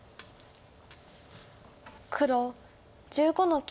黒１５の九。